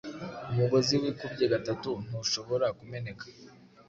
umugozi wikubye gatatu ntushobora kumeneka